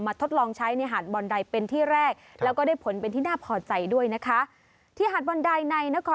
มาทดลองใช้ในหาดบอนไดเป็นที่แรก